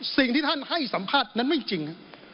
สิ่งที่ท่านให้สัมภาษณ์นั้นไม่จริง